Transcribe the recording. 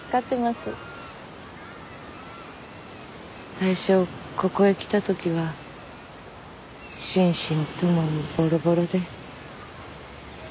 最初ここへ来た時は心身ともにボロボロで。